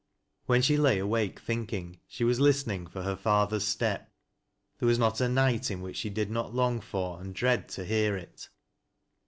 When she lay awake thinking, she was list ening for her father's step. There wrs not a night in which she did not long for, and dread to hear it.